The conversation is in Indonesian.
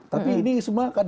tapi ini semua kan